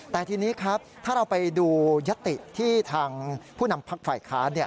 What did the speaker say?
แต่ทีนี้ครับถ้าเราไปดูยติที่ทางผู้นำพักฝ่ายค้าน